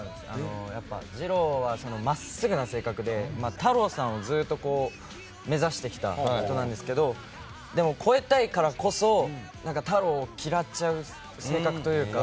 やっぱり、ジロウは真っすぐな性格でタロウさんをずっと目指してきた人なんですけどでも超えたいからこそタロウを嫌っちゃう性格というか。